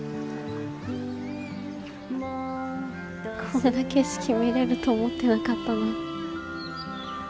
こんな景色見れると思ってなかったな。